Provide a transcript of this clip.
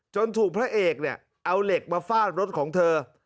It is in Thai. ถูกพระเอกเนี่ยเอาเหล็กมาฟาดรถของเธอ